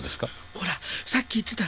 ほらさっき言ってた